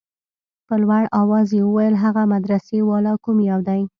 په لوړ اواز يې وويل هغه مدرسې والا کوم يو دى.